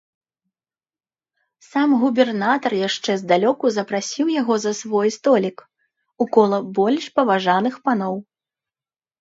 Сам губернатар яшчэ здалёку запрасіў яго за свой столік, у кола больш паважаных паноў.